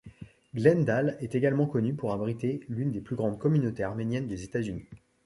Glendale est également connue pour abriter l'une des plus grandes communautés arméniennes des États-Unis.